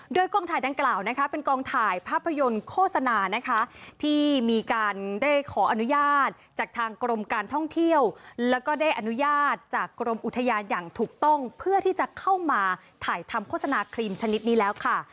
โดยกองถ่ายดังกล่าวนะคะเป็นกองถ่ายภาพยนตร์โฆษณานะคะที่มีการได้ขออนุญาตจากทางกรมการท่องเที่ยวแล้วก็ได้อนุญาตจากกรมอุทยานอย่างถูกต้องเพื่อที่จะเข้ามาถ่ายทำโฆษณาครีมชนิดนี้แล้วค่ะ